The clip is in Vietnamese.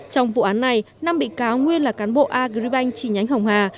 trong vụ án này năm bị cáo nguyên là cán bộ agribank chi nhánh hồng hà